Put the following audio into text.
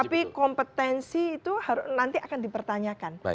tapi kompetensi itu nanti akan dipertanyakan